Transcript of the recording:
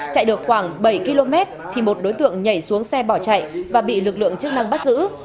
chạy được khoảng bảy km thì một đối tượng nhảy xuống xe bỏ chạy và bị lực lượng chức năng bắt giữ